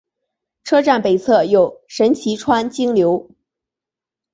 车站北侧有神崎川流经。